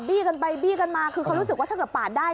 กันไปบี้กันมาคือเขารู้สึกว่าถ้าเกิดปาดได้